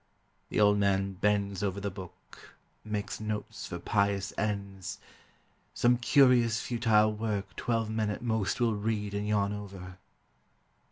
(The old man bends Over the book, makes notes for pious ends, ŌĆö Some curious futile work twelve men at most Will read and yawn over.)